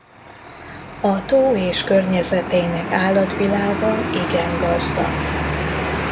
A tó és környezetének állatvilága igen gazdag.